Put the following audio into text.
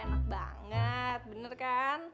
enak banget bener kan